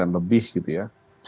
lebih gitu ya